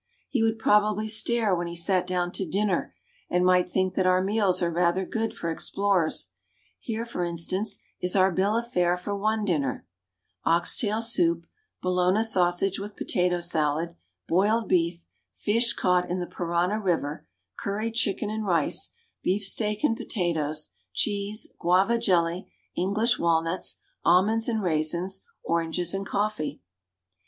He would probably stare when he sat down to dinner, and might think that our meals are rather good for ex plorers. Here, for instance, is our bill of fare for one din ner; ox tail soup, Bologna sausage with potato salad, 212 URUGUAY. boiled beef, fish caught in the Parana river, curried chicken and rice, beefsteak and potatoes, cheese, guava jelly, English walnuts, almonds and raisins, oranges and coffee.